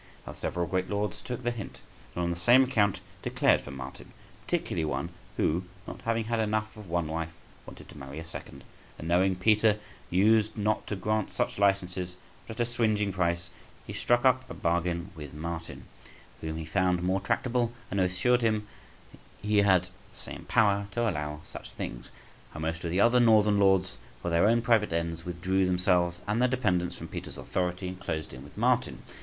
How several great lords took the hint, and on the same account declared for Martin; particularly one who, not having had enough of one wife, wanted to marry a second, and knowing Peter used not to grant such licenses but at a swingeing price, he struck up a bargain with Martin, whom he found more tractable, and who assured him he had the same power to allow such things. How most of the other Northern lords, for their own private ends, withdrew themselves and their dependants from Peter's authority, and closed in with Martin.